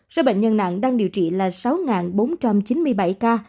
số bệnh nhân nặng đang điều trị là sáu bốn trăm chín mươi bảy ca